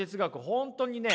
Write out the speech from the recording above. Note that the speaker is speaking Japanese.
本当にね